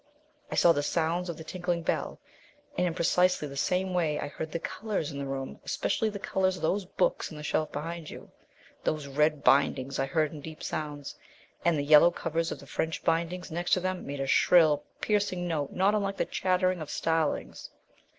I saw the sounds of the tinkling bell. And in precisely the same way I heard the colours in the room, especially the colours of those books in the shelf behind you. Those red bindings I heard in deep sounds, and the yellow covers of the French bindings next to them made a shrill, piercing note not unlike the chattering of starlings.